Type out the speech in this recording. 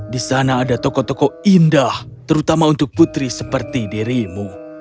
di sana ada tokoh tokoh indah terutama untuk putri seperti dirimu